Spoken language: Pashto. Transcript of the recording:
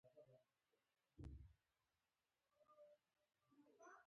څنګه کولی شم د افغانستان لپاره دعا وکړم